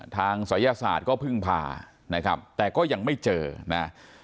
ทางศัลยสาวัฒน์ก็พึ่งพานะครับแต่ก็ยังไม่เจอนะ